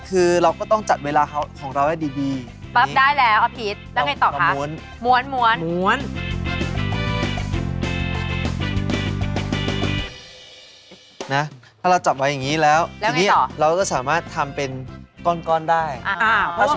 คือเราก็ต้องจัดเวลาของเราให้ดีปั๊บได้แล้วอภิษแล้วไงต่อไป